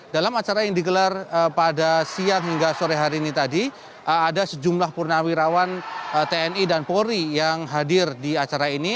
dalam acara yang digelar pada siang hingga sore hari ini tadi ada sejumlah purnawirawan tni dan polri yang hadir di acara ini